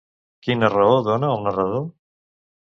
Quina raó dona el narrador?